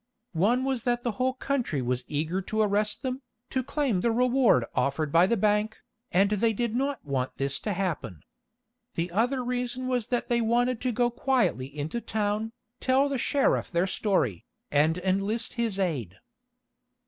One was that the whole country was eager to arrest them, to claim the reward offered by the bank, and they did not want this to happen. The other reason was that they wanted to go quietly into town, tell the sheriff their story, and enlist his aid.